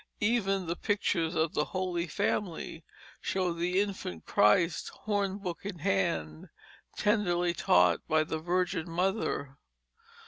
Even the pictures of the Holy Family show the infant Christ, hornbook in hand, tenderly taught by the Virgin Mother.